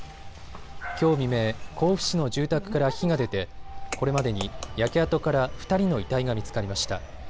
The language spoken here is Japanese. きょう未明、甲府市の住宅から火が出てこれまでに焼け跡から２人の遺体が見つかりました。